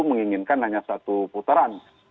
menginginkan hanya satu putaran